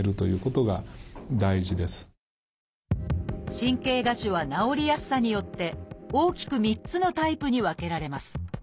神経芽腫は治りやすさによって大きく３つのタイプに分けられます。